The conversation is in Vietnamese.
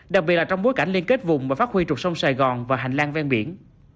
đặc biệt là trong bối cảnh liên kết vùng và phát huy trục sông sài gòn và hành lang ven biển